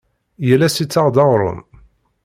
Yal ass ittaɣ-d aɣrum.